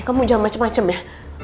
kamu jangan macam macam deh